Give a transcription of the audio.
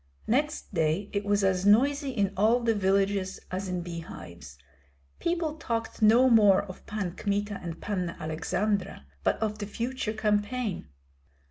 Next day it was as noisy in all the villages as in bee hives. People talked no more of Pan Kmita and Panna Aleksandra, but of the future campaign.